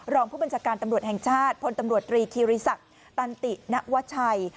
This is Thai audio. รองผู้บัญชาการตำรวจแห่งชาติพลตำรวจตรีคิริสักตันติณวชัย